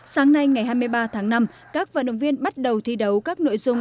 sáng nay ngày hai mươi ba tháng năm các vận động viên bắt đầu thi đấu các nội dung